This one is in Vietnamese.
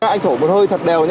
anh thổ một hơi thật đều nhé